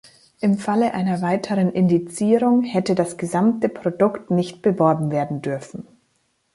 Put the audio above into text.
Im Falle einer weiteren Indizierung hätte das gesamte Produkt nicht beworben werden dürfen.